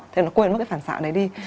thế nó quên mất cái phản xạ này đi